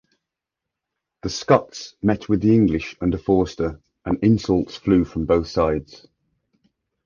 The Scots met with the English under Forster, and insults flew from both sides.